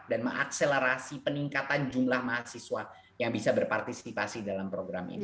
dan mengakselerasi peningkatan jumlah mahasiswa yang bisa berpartisipasi dalam program ini